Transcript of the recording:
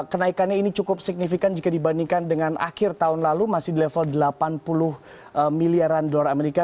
kenaikannya ini cukup signifikan jika dibandingkan dengan akhir tahun lalu masih di level delapan puluh miliaran dolar amerika